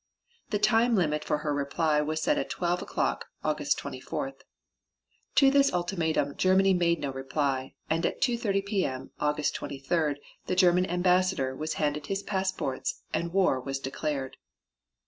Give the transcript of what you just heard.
The time limit for her reply was set at 12 o'clock, August 24th. To this ultimatum Germany made no reply, and at 2.30 P. M., August 23d, the German Ambassador was handed his passports and war was declared.